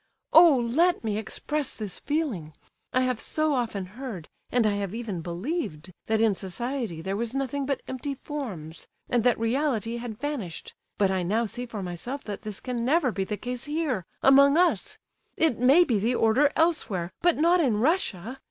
Oh, let me express this feeling! I have so often heard, and I have even believed, that in society there was nothing but empty forms, and that reality had vanished; but I now see for myself that this can never be the case here, among us—it may be the order elsewhere, but not in Russia.